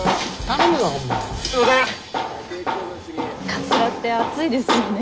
カツラって暑いですよね。